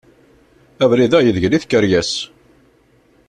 Abrid-a yegdel i tkeryas.